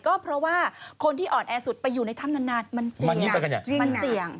ก็เพราะว่าคนที่อ่อนแอสุดไปอยู่ในถ้ำนานมันเสี่ยงมันเสี่ยง